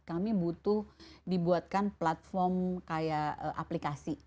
kami butuh dibuatkan platform kayak aplikasi